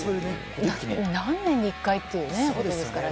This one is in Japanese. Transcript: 何年に１回っていうものですからね。